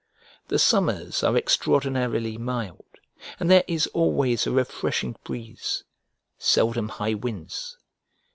The summers are extraordinarily mild, and there is always a refreshing breeze, seldom high winds.